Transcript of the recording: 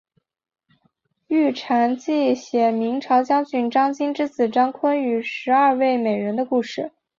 玉蟾记写明朝将军张经之子张昆与十二位美人的故事。